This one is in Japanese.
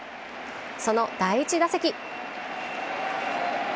その第１打席。